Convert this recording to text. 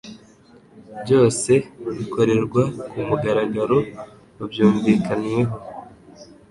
Byose bikoremva ku mugaragaro babyumvikanweho.